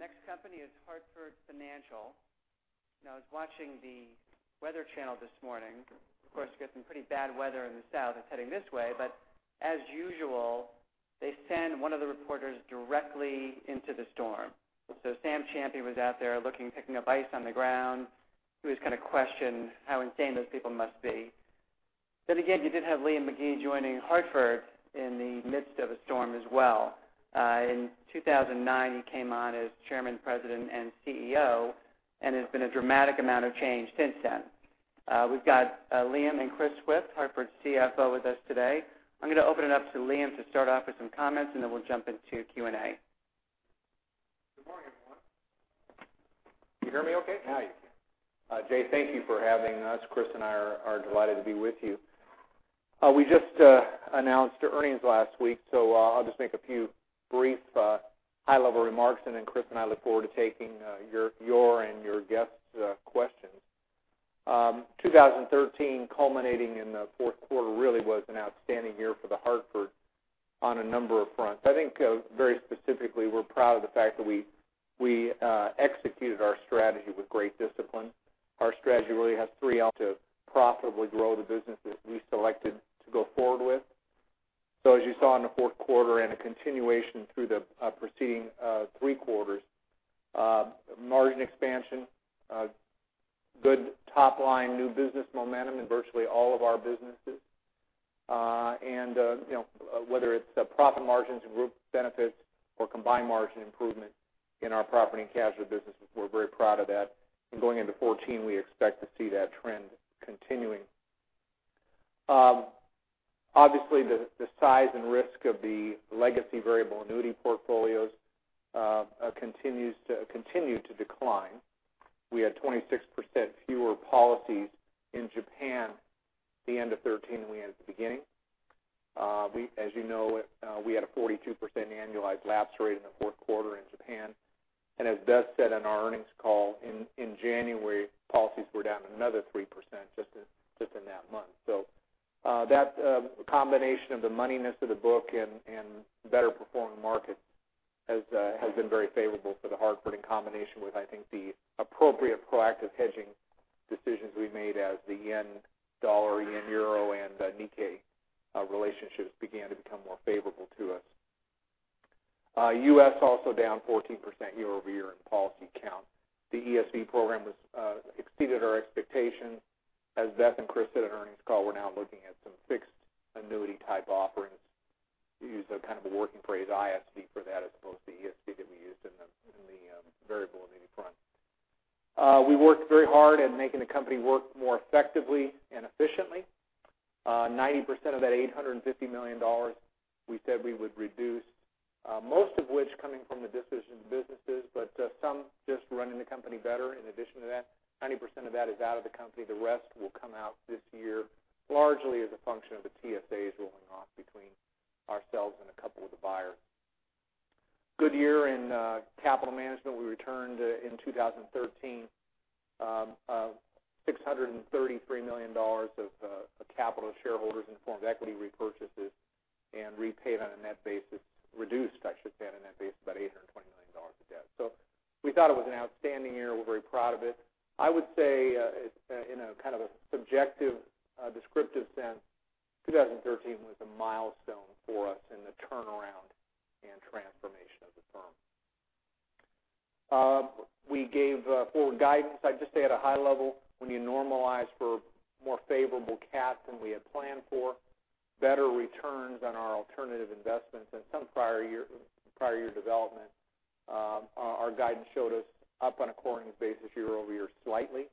The next company is The Hartford. I was watching The Weather Channel this morning. We got some pretty bad weather in the south that's heading this way, but as usual, they send one of the reporters directly into the storm. Sam Champion was out there looking, picking up ice on the ground. He was kind of questioned how insane those people must be. Again, you did have Liam McGee joining The Hartford in the midst of a storm as well. In 2009, he came on as Chairman, President, and CEO, and there's been a dramatic amount of change since then. We've got Liam and Chris Swift, The Hartford's CFO, with us today. I'm going to open it up to Liam to start off with some comments, and then we'll jump into Q&A. Good morning, everyone. Can you hear me okay? Now you can. Jay, thank you for having us. Chris and I are delighted to be with you. We just announced our earnings last week, so I'll just make a few brief high-level remarks, and then Chris and I look forward to taking your and your guests' questions. 2013 culminating in the fourth quarter really was an outstanding year for The Hartford on a number of fronts. I think very specifically, we're proud of the fact that we executed our strategy with great discipline. Our strategy really has three elements to profitably grow the businesses we selected to go forward with. As you saw in the fourth quarter and a continuation through the preceding three quarters, margin expansion, good top-line new business momentum in virtually all of our businesses. Whether it's the profit margins in Group Benefits or combined margin improvement in our property and casualty businesses, we're very proud of that. Going into 2014, we expect to see that trend continuing. Obviously, the size and risk of the legacy variable annuity portfolios continue to decline. We had 26% fewer policies in Japan at the end of 2013 than we had at the beginning. As you know, we had a 42% annualized lapse rate in the fourth quarter in Japan. As Beth said on our earnings call, in January, policies were down another 3% just in that month. That combination of the moneyness of the book and better-performing market has been very favorable for The Hartford in combination with, I think, the appropriate proactive hedging decisions we made as the yen/dollar, yen/euro, and Nikkei relationships began to become more favorable to us. U.S. also down 14% year-over-year in policy count. The ESV program has exceeded our expectations. As Beth and Chris said in earnings call, we're now looking at some fixed annuity-type offerings. We use a kind of a working phrase, ISV, for that, as opposed to ESV that we used in the variable annuity front. We worked very hard at making the company work more effectively and efficiently. 90% of that $850 million we said we would reduce, most of which coming from the decision businesses, but some just running the company better in addition to that. 90% of that is out of the company. The rest will come out this year, largely as a function of the TSAs rolling off between ourselves and a couple of the buyers. Good year in capital management. We returned in 2013 $633 million of capital to shareholders in the form of equity repurchases and repaid on a net basis, reduced, I should say, on a net basis, about $820 million of debt. We thought it was an outstanding year. We're very proud of it. I would say in a kind of a subjective, descriptive sense, 2013 was a milestone for us in the turnaround and transformation of the firm. We gave forward guidance. I'd just say at a high level, when you normalize for more favorable CAT than we had planned for, better returns on our alternative investments and some prior year development our guidance showed us up on a coring basis year-over-year slightly.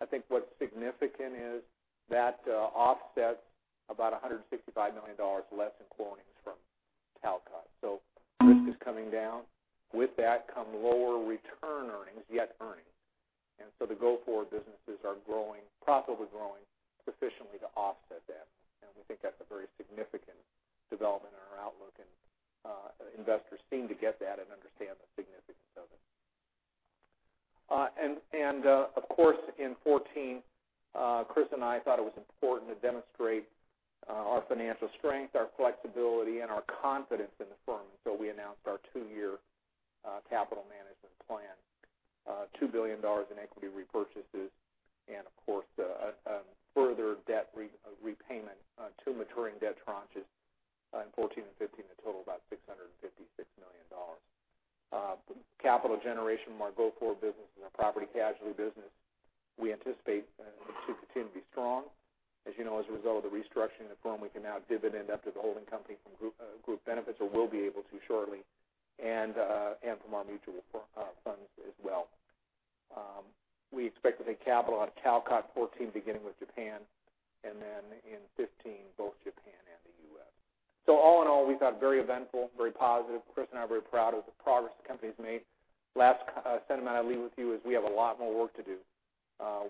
I think what's significant is that offsets about $165 million less in corings from Talcott. Risk is coming down. With that come lower return earnings, yet earnings. The go-forward businesses are profitably growing sufficiently to offset that. We think that's a very significant development in our outlook, and investors seem to get that and understand the significance of it. Of course, in 2014, Chris and I thought it was important to demonstrate our financial strength, our flexibility, and our confidence in the firm. We announced our two-year capital management plan, $2 billion in equity repurchases and, of course, a further debt repayment on two maturing debt tranches in 2014 and 2015 to total about $656 million. Capital generation from our go-forward business and our property and casualty business we anticipate to continue to be strong. As you know, as a result of the restructuring of the firm, we can now dividend up to the holding company from Group Benefits, or will be able to shortly, and from our mutual funds as well. We expect to take capital out of Talcott 2014, beginning with Japan, and then in 2015, both Japan and the U.S. All in all, we thought very eventful, very positive. Chris and I are very proud of the progress the company has made. Last sentiment I leave with you is we have a lot more work to do.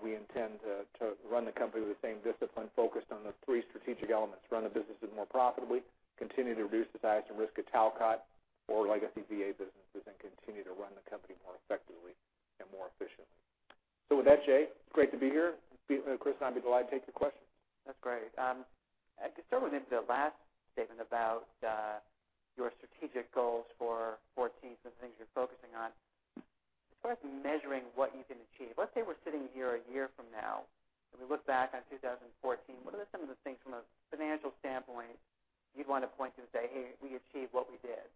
We intend to run the company with the same discipline focused on the three strategic elements, run the businesses more profitably, continue to reduce the size and risk of Talcott or legacy VA businesses, and continue to run the company more effectively. With that, Jay, it's great to be here. Chris and I'll be glad to take your questions. That's great. Just throwing into the last statement about your strategic goals for 2014, some of the things you're focusing on. As far as measuring what you can achieve, let's say we're sitting here a year from now, and we look back on 2014, what are some of the things from a financial standpoint you'd want to point to and say, "Hey, we achieved what we did"?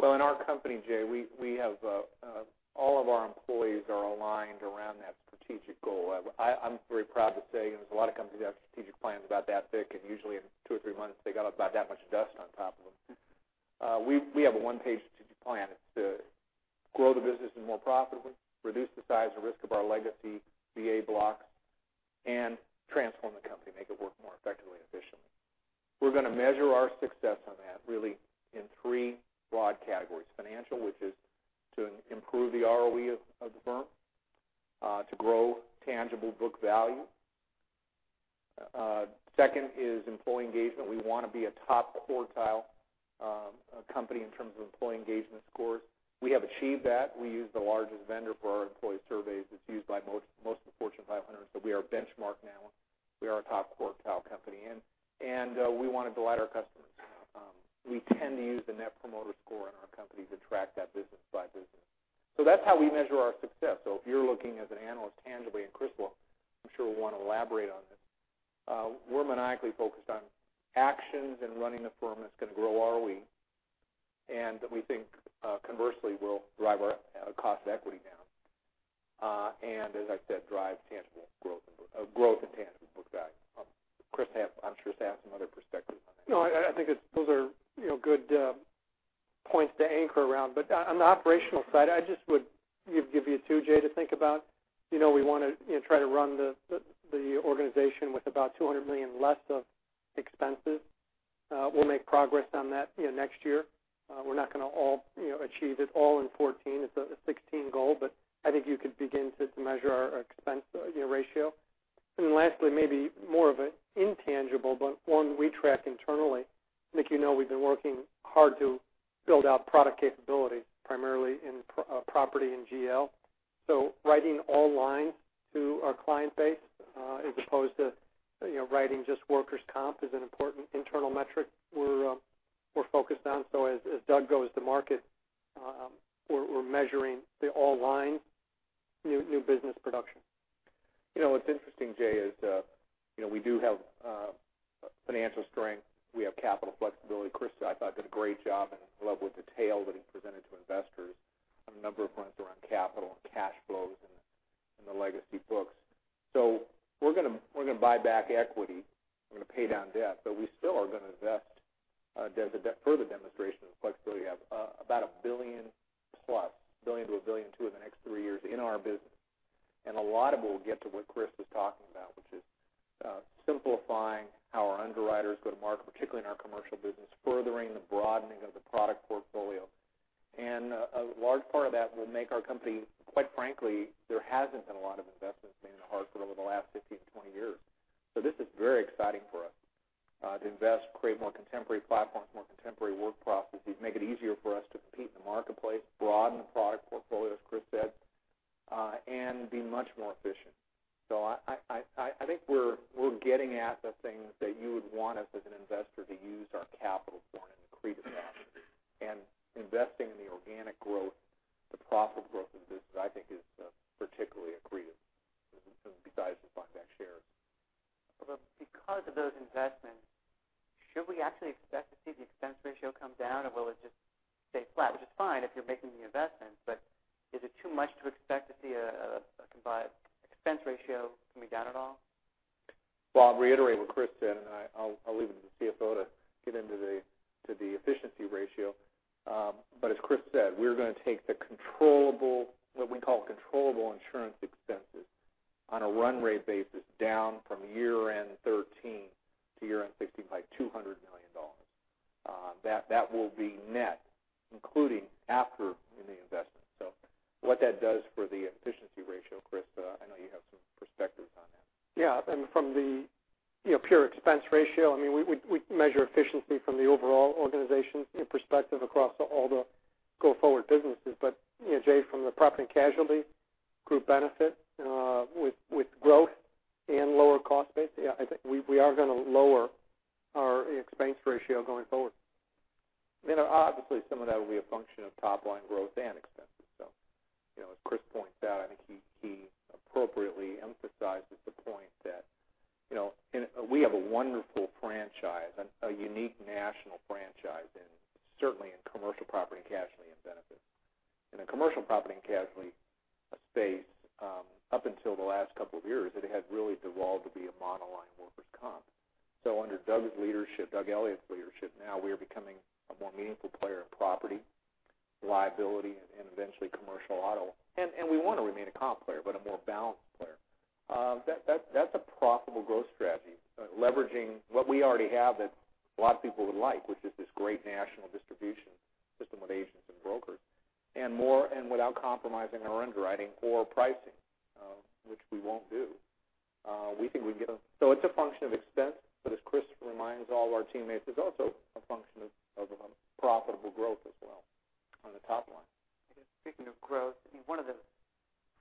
Well, in our company, Jay, all of our employees are aligned around that strategic goal. I'm very proud to say, there's a lot of companies that have strategic plans about that thick, and usually in two or three months, they got about that much dust on top of them. We have a one-page strategic plan. It's to grow the business more profitably, reduce the size and risk of our legacy VA blocks, and transform the company, make it work more effectively and efficiently. We're going to measure our success on that really in three broad categories. Financial, which is to improve the ROE of the firm, to grow tangible book value. Second is employee engagement. We want to be a top quartile company in terms of employee engagement scores. We have achieved that. We use the largest vendor for our employee surveys, that's used by most of the Fortune 500. We are benchmark now. We are a top quartile company. We want to delight our customers. We tend to use the Net Promoter Score in our company to track that business by business. That's how we measure our success. If you're looking as an analyst tangibly, and Chris will, I'm sure, want to elaborate on this, we're maniacally focused on actions and running the firm that's going to grow ROE, and that we think conversely will drive our cost of equity down. As I said, drive growth and tangible book value. Chris, I'm sure, has some other perspective on that. No, I think those are good points to anchor around. On the operational side, I just would give you two, Jay, to think about. We want to try to run the organization with about $200 million less of expenses. We'll make progress on that next year. We're not going to achieve it all in 2014. It's a 2016 goal. I think you could begin to measure our expense ratio. Lastly, maybe more of an intangible, but one that we track internally. Nick, you know we've been working hard to build out product capability, primarily in property and GL. Writing all lines to our client base as opposed to writing just workers' compensation is an important internal metric we're focused on. As Doug goes to market, we're measuring the all line new business production. What's interesting, Jay, is we do have financial strength. We have capital flexibility. Chris, I thought, did a great job and along with the detail that he presented to investors on a number of fronts around capital and cash flows and the legacy books. We're going to buy back equity. We're going to pay down debt, but we still are going to invest, as a further demonstration of the flexibility we have, about $1 billion plus, $1 billion to $1.2 billion in the next three years in our business. A lot of it will get to what Chris was talking about, which is simplifying how our underwriters go to market, particularly in our commercial business, furthering the broadening of the product portfolio. A large part of that will make our company. Quite with growth and lower cost base, I think we are going to lower our expense ratio going forward. Obviously, some of that will be a function of top-line growth and expenses. As Chris points out, I think he appropriately emphasizes the point that we have a wonderful franchise, a unique national franchise, and certainly in commercial property and casualty and benefits. In a commercial property and casualty space, up until the last couple of years, it had really devolved to be a monoline workers' compensation. Under Doug Elliot's leadership, now we are becoming a more meaningful player in property, liability, and eventually commercial auto. We want to remain a comp player, but a more balanced player. That's a profitable growth strategy, leveraging what we already have that a lot of people would like, which is this great national distribution system with agents and brokers, and without compromising our underwriting or pricing, which we won't do. We think we get them. It's a function of expense, but as Chris reminds all of our teammates, it's also a function of profitable growth as well on the top line. I guess speaking of growth, one of the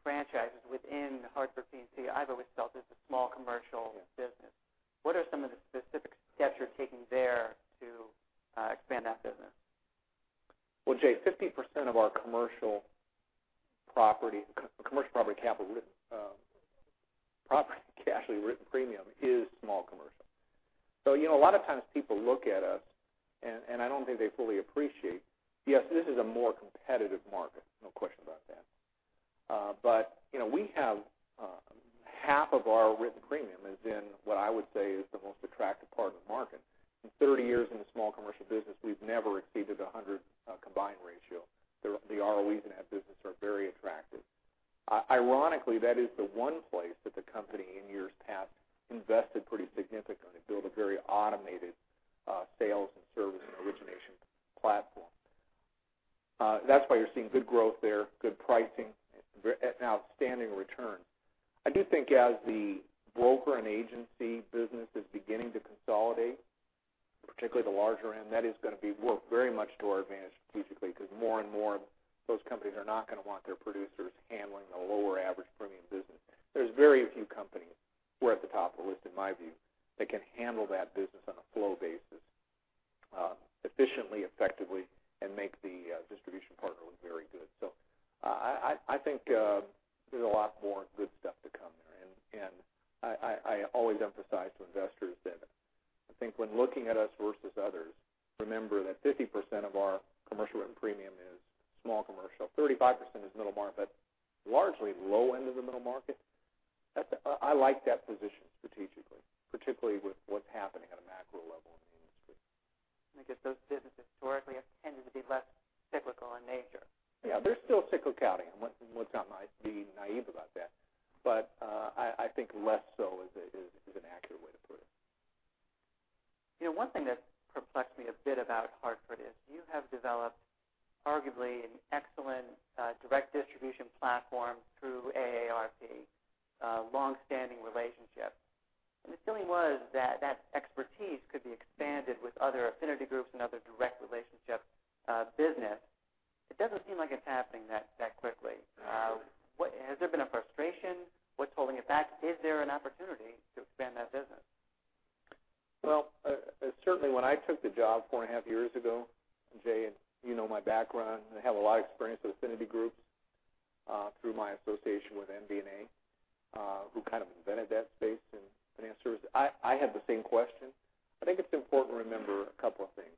franchises within The Hartford P&C I've always felt is the small commercial business. What are some of the specific steps you're taking there to expand that business? Well, Jay, 50% of our commercial property, actually written premium, is small commercial. A lot of times people look at us, and I don't think they fully appreciate, yes, this is a more competitive market. No question about that. Half of our written premium is in, what I would say, is the most attractive part of the market. In 30 years in the small commercial business, we've never exceeded 100 combined ratio. The ROEs in that business are very attractive. Ironically, that is the one place that the company, in years past, invested pretty significantly to build a very automated sales and service and origination platform. That's why you're seeing good growth there, good pricing, and outstanding return. I do think as the broker and agency business is beginning to consolidate, particularly the larger end, that is going to work very much to our advantage strategically because more and more of those companies are not going to want their producers handling the lower average premium business. There's very few companies who are at the top of the list, in my view, that can handle that business on a flow basis efficiently, effectively, and make the distribution partner look very good. I think there's a lot more good stuff to come there. I always emphasize to investors that I think when looking at us versus others, remember that 50% of our commercial written premium is small commercial, 35% is middle market, largely low end of the middle market. I like that position strategically, particularly with what's happening at a macro level in the industry. I guess those businesses historically have tended to be less cyclical in nature. Yeah. There's still cyclicality. I'm not being naive about that. I think less so is an accurate way to put it. One thing that perplexed me a bit about The Hartford is you have developed arguably an excellent direct distribution platform through AARP, a long-standing relationship. The feeling was that that expertise could be expanded with other affinity groups and other direct relationship business. It doesn't seem like it's happening that quickly. Has there been a frustration? What's holding it back? Is there an opportunity to expand that business? Well, certainly when I took the job four and a half years ago, Jay, you know my background, I have a lot of experience with affinity groups through my association with MBNA who kind of invented that space in financial services. I had the same question. I think it's important to remember a couple of things.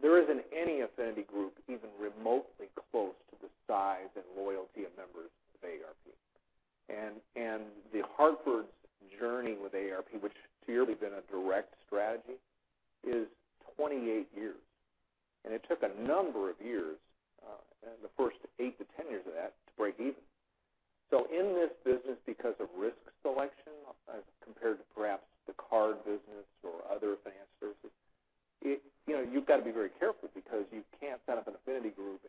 There isn't any affinity group even remotely close to the size and loyalty of members of AARP. The Hartford's journey with AARP, which has clearly been a direct strategy, is 28 years. It took a number of years, and the first 8-10 years of that, to break even. In this business, because of risk selection compared to perhaps the card business or other financial services, you've got to be very careful because you can't set up an affinity group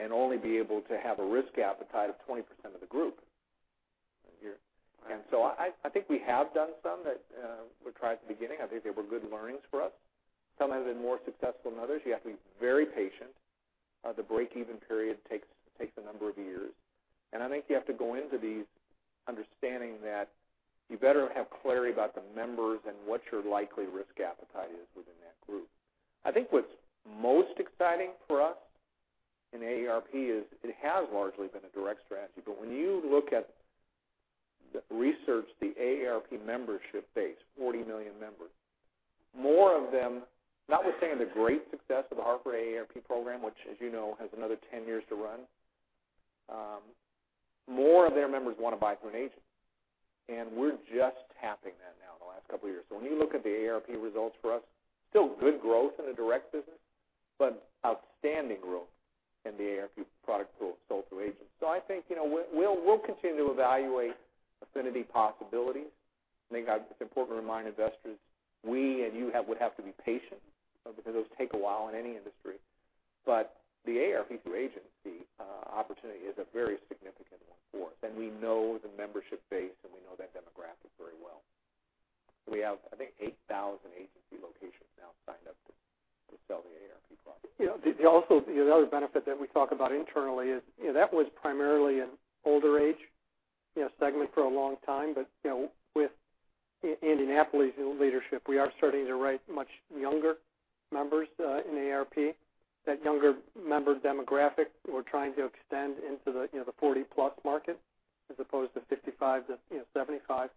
and only be able to have a risk appetite of 20% of the group. Right. I think we have done some that were tried at the beginning. I think they were good learnings for us. Some have been more successful than others. You have to be very patient. The break-even period takes a number of years, and I think you have to go into these understanding that you better have clarity about the members and what your likely risk appetite is within that group. I think what's most exciting for us in AARP is it has largely been a direct strategy. When you look at the research, the AARP membership base, 40 million members, more of them, notwithstanding the great success of The Hartford AARP program, which as you know, has another 10 years to run, more of their members want to buy through an agent. We're just tapping that now in the last couple of years. When you look at the AARP results for us, still good growth in the direct business, but outstanding growth in the AARP product sold through agents. I think we'll continue to evaluate affinity possibilities. I think it's important to remind investors, we and you would have to be patient because those take a while in any industry. The AARP through agency opportunity is a very significant one for us, and we know the membership base, and we know that demographic very well. We have, I think, 8,000 agency locations now signed up to sell the AARP product. The other benefit that we talk about internally is that was primarily an older age segment for a long time. With Indianapolis leadership, we are starting to write much younger members in AARP. That younger member demographic, we're trying to extend into the 40-plus market as opposed to 55 to 75.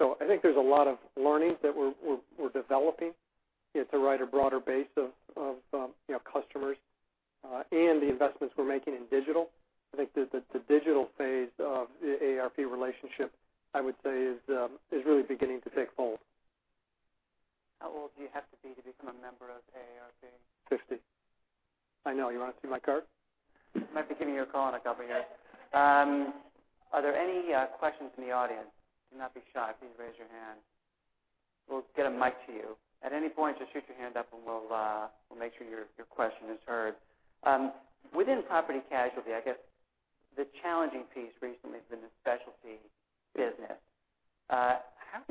I think there's a lot of learnings that we're developing to write a broader base of customers. The investments we're making in digital. I think the digital phase of the AARP relationship, I would say, is really beginning to take hold. How old do you have to be to become a member of AARP? 50. I know. You want to see my card? I might be giving you a call in a couple years. Are there any questions from the audience? Do not be shy. Please raise your hand. We'll get a mic to you. At any point, just shoot your hand up and we'll make sure your question is heard. Within property casualty, I guess the challenging piece recently has been the specialty business. How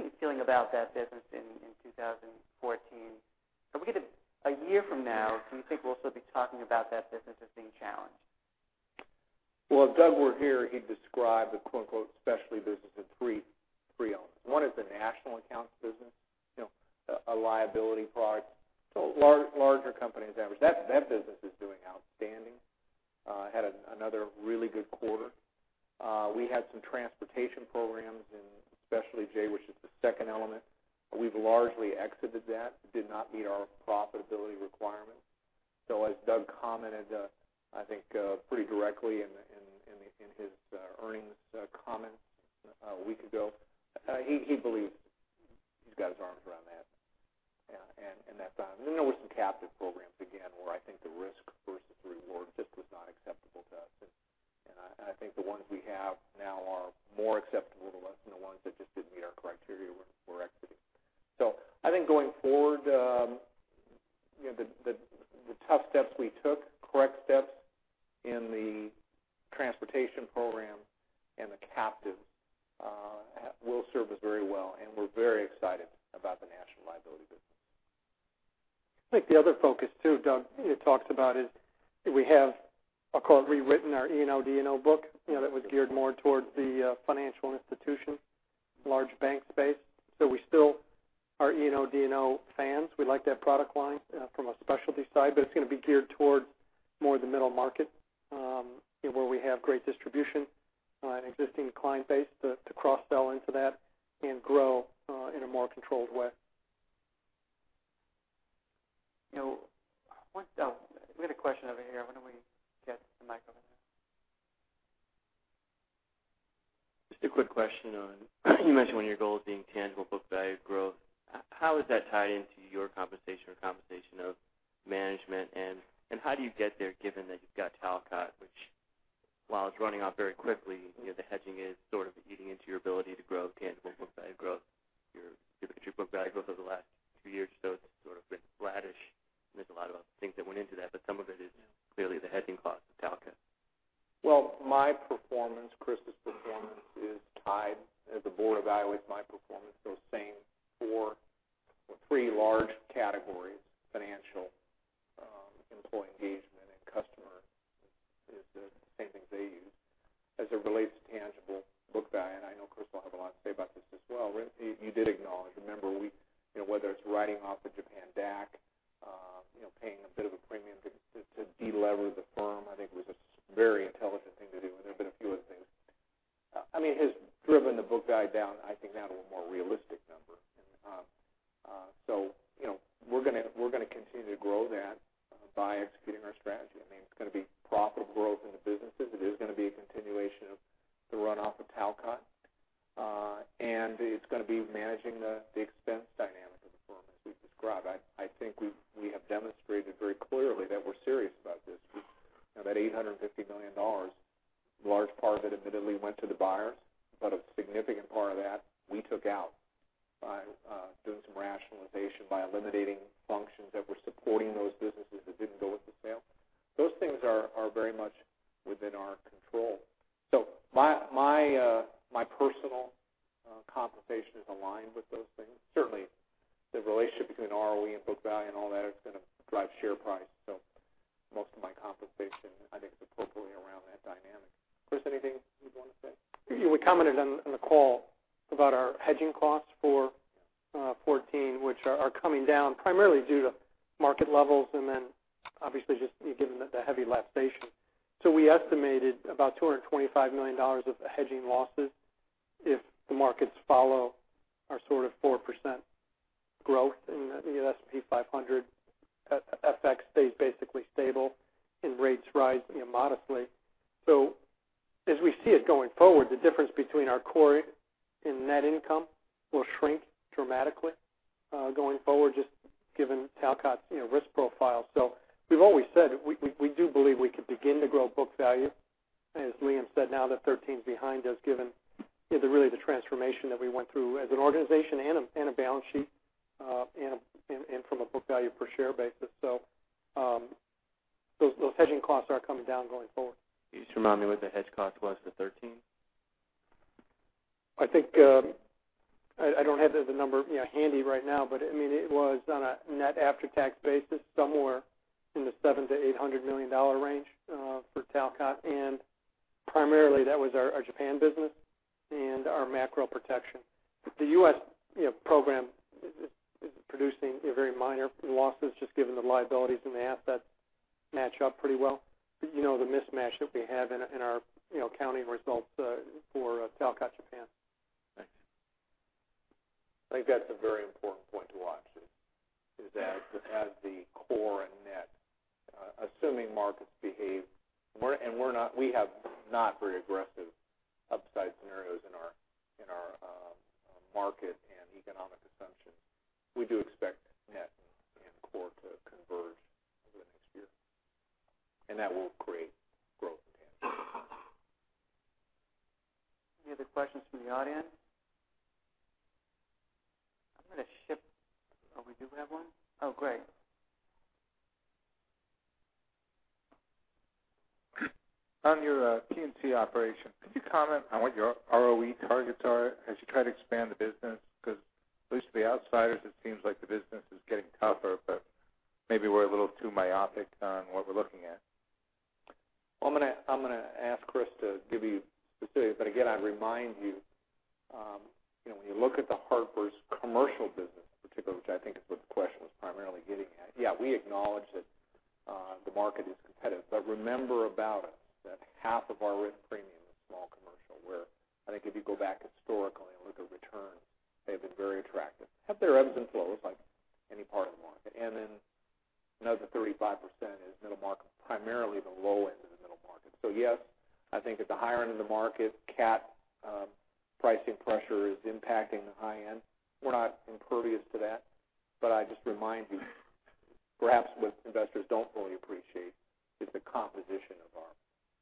are you feeling about that business in 2014? A year from now, do you think we'll still be talking about that business as being challenged? Well, if Doug were here, he'd describe the "specialty business" in three elements. One is the national accounts business, a liability product, so larger companies average. That business is doing outstanding. Had another really good quarter. We had some transportation programs in specialty, Jay, which is the second element. We've largely exited that. Did not meet our profitability requirements. As Doug commented, I think pretty directly in his earnings comments a week ago, he believes he's got his arms around that. There were some captive programs, again, where I think the risk versus reward just was not acceptable to us. I think the ones we have now are more acceptable to us than the ones that just didn't meet our criteria for equity. I think going forward, the tough steps we took, correct steps in the transportation program and the captive will serve us very well, and we're very excited about the national liability business. I think the other focus too, Doug talks about is we have, I'll call it rewritten our E&O, D&O book. That was geared more towards the financial institution, large bank space. We still are E&O, D&O fans. We like that product line from a specialty side, but it's going to be geared toward more the middle market where we have great distribution, an existing client base to cross-sell into that and grow in a more controlled way. We've got a question over here. Why don't we get the mic over there? Just a quick question on, you mentioned one of your goals being tangible book value growth. How is that tied into your compensation or compensation of management? How do you get there given that you've got Talcott, which, while it's running off very quickly, the hedging is sort of eating into your ability to grow tangible book value growth? If you look at your book value over the last two years or so, it's sort of been flattish, and there's a lot of other things that went into that, but some of it is clearly the hedging cost of Talcott. Well, my performance, Chris's performance is tied as the board evaluates my performance, those same four or three large categories, financial, employee engagement, and customer is the same things they use as it relates to tangible book value. I know Chris will have a lot to say about this as well. You did acknowledge, remember, whether it's writing off the Japan DAC, paying a bit of a premium to de-lever the firm, I think was a very intelligent thing to do, and there have been a few other things. It has driven the book value down, I think now to a more realistic number. We're going to continue to grow that by executing our strategy. It's going to be profitable growth in the businesses. It is going to be a continuation of the runoff of Talcott. It's going to be managing the expense dynamic of the firm, as we've described. I think we have demonstrated very clearly that we're serious about this. That $850 million, large part of it admittedly went to the buyers, but a significant part of that we took out by doing some rationalization, by eliminating functions that were supporting those businesses that didn't go with the sale. Those things are very much within our control. My personal compensation is aligned with those things. Certainly, the relationship between ROE and book value and all that is going to drive share price. Most of my compensation, I think, is appropriately around that dynamic. Chris, anything you'd want to say? We commented on the call about our hedging costs for 2014, which are coming down primarily due to market levels and then obviously just given the heavy lapse rate. We estimated about $225 million of hedging losses if the markets follow our sort of 4% growth in the S&P 500, FX stays basically stable, and rates rise modestly. As we see it going forward, the difference between our core and net income will shrink dramatically going forward, just given Talcott's risk profile. We've always said we do believe we could begin to grow book value, as Liam said, now that 2013's behind us, given really the transformation that we went through as an organization and a balance sheet and from a book value per share basis. Those hedging costs are coming down going forward. Can you just remind me what the hedge cost was for 2013? I don't have the number handy right now, but it was on a net after-tax basis somewhere in the $700 million-$800 million range for Talcott, and primarily that was our Japan business and our macro protection. The U.S. program is producing very minor losses, just given the liabilities and the assets match up pretty well. The mismatch that we have in our accounting results for Talcott Japan. Thanks. I think that's a very important point to watch, is that as the core and net, assuming markets behave, we have not very aggressive upside scenarios in our market and economic assumptions. We do expect net. That will create growth potential. Any other questions from the audience? We do have one. Great. On your P&C operation, could you comment on what your ROE targets are as you try to expand the business? At least to the outsiders, it seems like the business is getting tougher, maybe we're a little too myopic on what we're looking at. Well, I'm going to ask Chris to give you specifics, but again, I'd remind you, when you look at The Hartford's commercial business in particular, which I think is what the question was primarily getting at, yeah, we acknowledge that the market is competitive. Remember about us that half of our written premium is small commercial, where I think if you go back historically and look at returns, they've been very attractive. Had their ebbs and flows like any part of the market. Another 35% is middle market, primarily the low end of the middle market. Yes, I think at the higher end of the market, CAT pricing pressure is impacting the high end. We're not impervious to that. I'd just remind you, perhaps what investors don't fully appreciate is the composition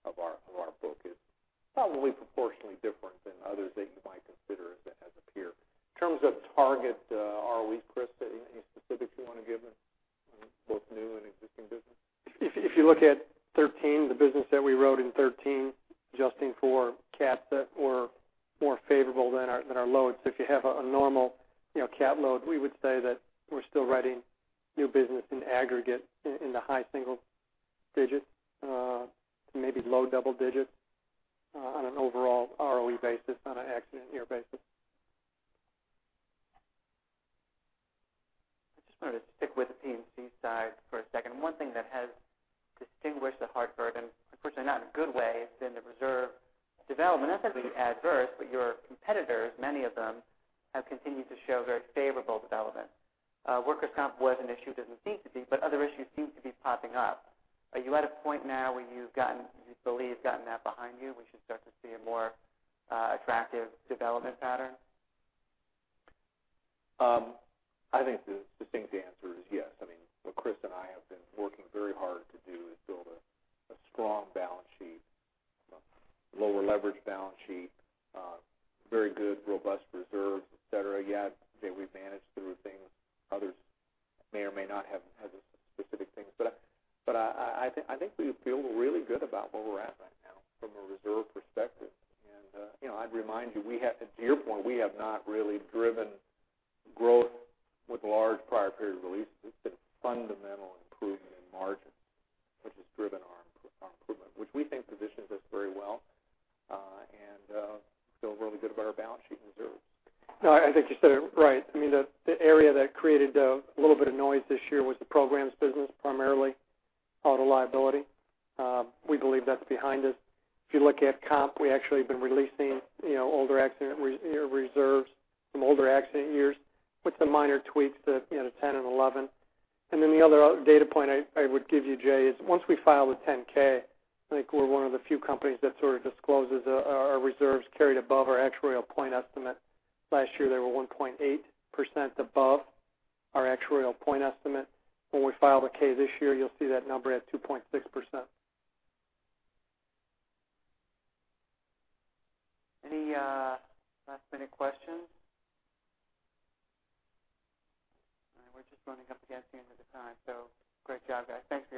of our book is probably proportionally different than others that you might consider as a peer. In terms of target ROEs, Chris, any specifics you want to give in both new and existing business? If you look at 2013, the business that we wrote in 2013, adjusting for CATs that were more favorable than our loads. If you have a normal CAT load, we would say that we're still writing new business in aggregate in the high single digits, maybe low double digits on an overall ROE basis, on an accident year basis. I just wanted to stick with the P&C side for a second. One thing that has distinguished The Hartford, and unfortunately not in a good way, has been the reserve development. Not that it's adverse, but your competitors, many of them have continued to show very favorable development. Workers' comp was an issue, doesn't seem to be, but other issues seem to be popping up. Are you at a point now where you believe you've gotten that behind you? We should start to see a more attractive development pattern? I think the succinct answer is yes. I mean, what Chris and I have been working very hard to do is build a strong balance sheet, a lower leverage balance sheet, very good, robust reserves, et cetera. Yeah, I'd say we've managed through things others may or may not have had the specific things. I think we feel really good about where we're at right now from a reserve perspective. I'd remind you, to your point, we have not really driven growth with large prior period releases. It's been fundamental improvement in margins which has driven our improvement, which we think positions us very well. Feel really good about our balance sheet and reserves. No, I think you said it right. I mean, the area that created a little bit of noise this year was the programs business, primarily auto liability. We believe that's behind us. If you look at comp, we actually have been releasing older accident reserves from older accident years with some minor tweaks to the '10 and '11. The other data point I would give you, Jay, is once we file the 10-K, I think we're one of the few companies that sort of discloses our reserves carried above our actuarial point estimate. Last year, they were 1.8% above our actuarial point estimate. When we file the K this year, you'll see that number at 2.6%. Any last-minute questions? All right. We're just running up against the end of the time. Great job, guys. Thanks.